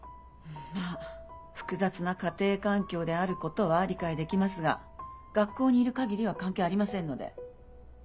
まぁ複雑な家庭環境であることは理解できますが学校にいる限りは関係ありませんので。